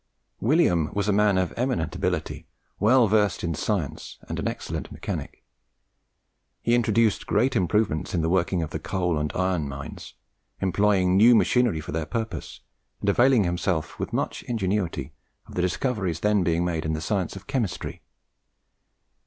William was a man of eminent ability, well versed in science, and an excellent mechanic. He introduced great improvements in the working of the coal and iron mines, employing new machinery for the purpose, and availing himself with much ingenuity of the discoveries then being made in the science of chemistry.